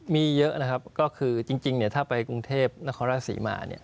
มีเยอะนะครับก็คือจริงถ้าไปกรุงเทพฯนครรัฐศรีมา